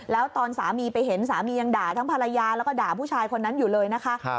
แล้วตอนสามีไปเห็นสามียังด่าทั้งภรรยาแล้วก็ด่าผู้ชายคนนั้นอยู่เลยนะคะ